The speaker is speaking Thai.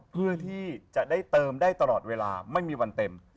เพื่อที่จะได้เติมได้ตลอดเวลาไม่มีวันเต็ม